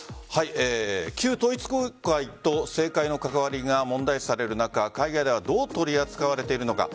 旧統一教会と政界の関わりが問題視される中海外ではどう取り扱われているのか。